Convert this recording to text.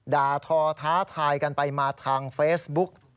ด่าทอท้าทายกันไปมาทางเฟซบุ๊ก